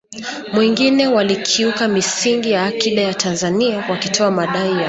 mwingine walikiuka misingi ya akida ya Tanzania wakitoa madai ya